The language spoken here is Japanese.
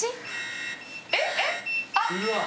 えっ？